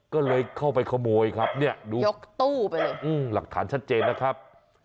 ก็เลยเข้าไปขโมยครับเนี่ยดูยกตู้ไปเลยหลักฐานชัดเจนนะครับ